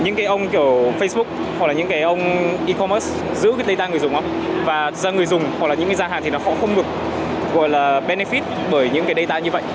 nhiều người dùng và những gia hàng không được được gọi là benefit bởi những data như vậy